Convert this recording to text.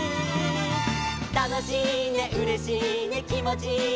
「たのしいねうれしいねきもちいいね」